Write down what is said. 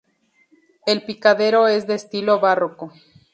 El picadero es de estilo barroco.